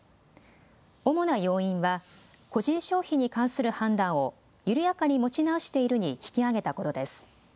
主な要因は個人消費に関する判断を緩やかに持ち直しているに引き上げたことです。